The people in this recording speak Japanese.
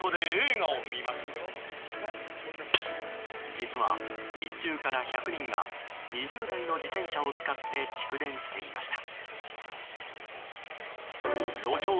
実は、日中から１００人が２０台の自転車を使って蓄電していました。